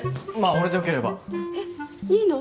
俺でよければえっいいの？